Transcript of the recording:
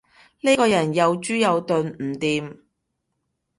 呢個人又豬又鈍，唔掂